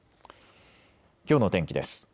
きょうの天気です。